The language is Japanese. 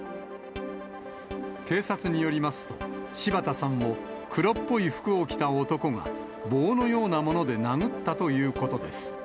警察によりますと、柴田さんを黒っぽい服を着た男が棒のようなもので殴ったということです。